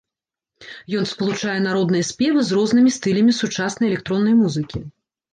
Ён спалучае народныя спевы з рознымі стылямі сучаснай электроннай музыкі.